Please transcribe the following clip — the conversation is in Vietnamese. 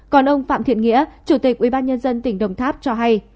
còn ông phạm thiện nghĩa chủ tịch ubnd tỉnh đồng tháp cho hay